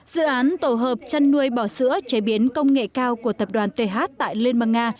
dự án tổ hợp chăn nuôi bò sữa chế biến công nghệ cao của tập đoàn th tại liên bang nga